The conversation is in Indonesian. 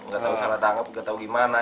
gatau salah tangkep gatau gimana